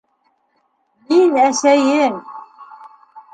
Мин - әсәйең!